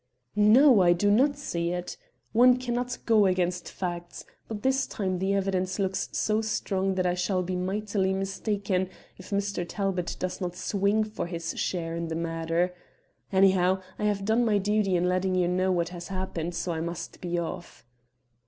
"No, I do not see it. One cannot go against facts, but this time the evidence looks so strong that I shall be mightily mistaken if Mr. Talbot does not swing for his share in the matter. Anyhow, I have done my duty in letting you know what has happened, so I must be off."